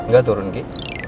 gak turun ki